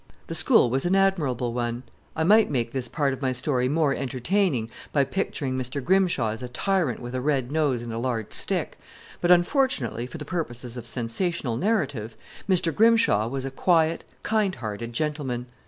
The school was an admirable one. I might make this part of my story more entertaining by picturing Mr. Grimshaw as a tyrant with a red nose and a large stick; but unfortunately for the purposes of sensational narrative, Mr. Grimshaw was a quiet, kindhearted gentleman.